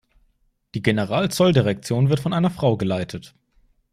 Die Generalzolldirektion wird von einer Frau geleitet.